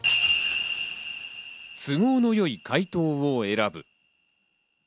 都合の良い回答を選ぶ。